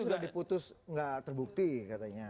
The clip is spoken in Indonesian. sudah diputus nggak terbukti katanya